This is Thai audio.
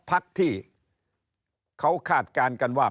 พักที่เขาคาดการณ์กันว่า